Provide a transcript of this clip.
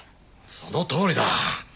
そのとおりだ。